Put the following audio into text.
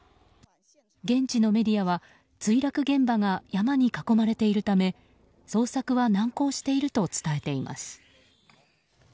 現地のメディアは墜落現場が山に囲まれているため捜索は難航していると伝えています。